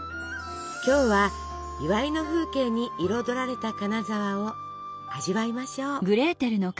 今日は祝いの風景に彩られた金沢を味わいましょう。